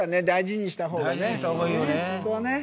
大事にした方がね。